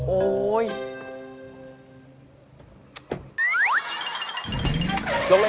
โอ้โฮไม่อยากลงเลยว่ะ